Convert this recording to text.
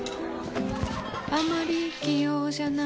あまり器用じゃないほうです。